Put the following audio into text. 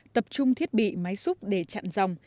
tập trung thiết bị máy xúc để chặn dòng